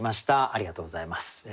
ありがとうございます。